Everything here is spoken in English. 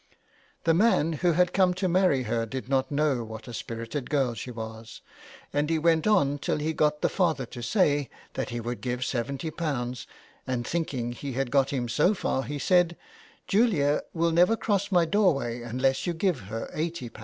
The man who had come to marry her did not know what a spirited girl she was, and he went on till he got the father to say that he would give £yo, and, thinking he had got him so far, he said, ' Julia will never cross my doorway unless you give her ;£"8o.'